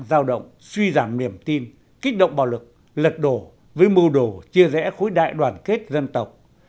giao động suy giảm niềm tin kích động bạo lực lật đổ với mưu đồ chia rẽ khối đại đoàn kết dân tộc